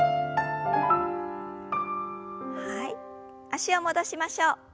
脚を戻しましょう。